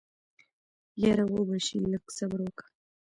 يره وبه شي لږ صبر وکه.